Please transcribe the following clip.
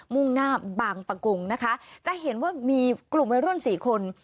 มุ่งหน้าบางปะกงนะคะจะเห็นว่ามีกลุ่มวัยรุ่นสี่คน